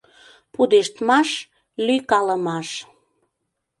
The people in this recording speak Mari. Пудештмаш, лӱйкалымаш.